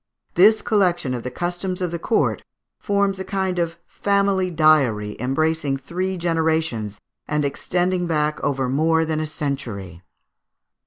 This collection of the customs of the court forms a kind of family diary embracing three generations, and extending back over more than a century.